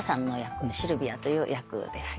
シルヴィアという役ですね。